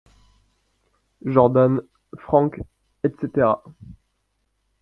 Jordan, Franck, etc.